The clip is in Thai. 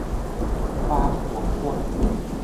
ความหวงคน